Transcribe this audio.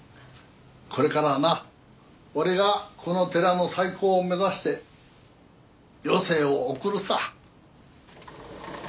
これからはな俺がこの寺の再興を目指して余生を送るさ。